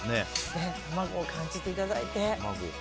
卵を感じていただいて。